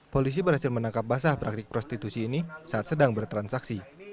polisi berhasil menangkap basah praktik prostitusi ini saat sedang bertransaksi